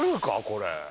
これ。